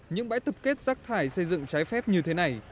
những bãi tập kết rác thải xây dựng trái phép như thế này